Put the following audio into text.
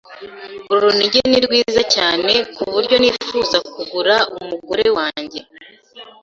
Uru runigi ni rwiza cyane kuburyo nifuza kugura umugore wanjye.